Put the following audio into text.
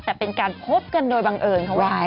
แต่เป็นการพบกันโดยบังเอิญเขาว่า